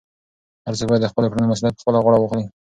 هر څوک باید د خپلو کړنو مسؤلیت په خپله غاړه واخلي.